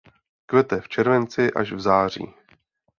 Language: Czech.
Kvete v červenci až v září.